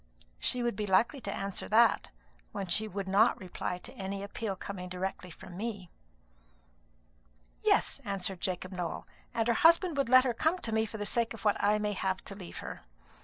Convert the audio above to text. She would be likely to answer that, when she would not reply to any appeal coming directly from me." "Yes," answered Jacob Nowell; "and her husband would let her come to me for the sake of what I may have to leave her.